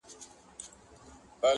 توتکۍ خبره راوړله پر شونډو -